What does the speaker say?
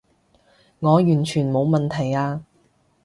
我完全冇問題啊